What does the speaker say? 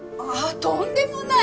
とんでもない！